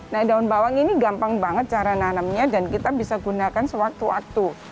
nah daun bawang ini gampang banget cara nanamnya dan kita bisa gunakan sewaktu waktu